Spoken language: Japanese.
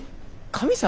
神様？